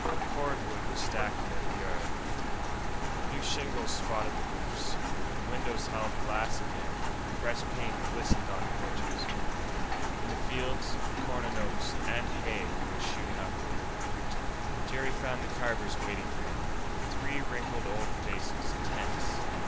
Cordwood was stacked in every yard. New shingles spotted the roofs, the windows held glass again, fresh paint glistened on porches. In the fields, corn and oats and hay were shooting upward.... Jerry found the Carvers waiting for him, their wrinkled old faces tense.